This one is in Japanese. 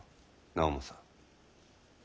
直政。